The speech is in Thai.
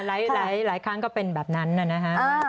ถูกค่ะหลายครั้งก็เป็นแบบนั้นนะครับ